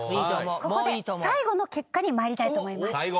ここで最後の結果に参りたいと思います。